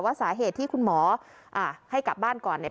สาเหตุที่คุณหมอให้กลับบ้านก่อนเนี่ย